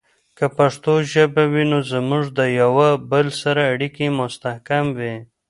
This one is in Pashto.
که پښتو ژبه وي، نو زموږ د یوه بل سره اړیکې مستحکم وي.